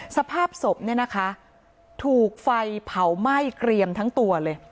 สภาพศพเนี่ยนะคะถูกไฟเผาไหม้เกรียมทั้งตัวเลย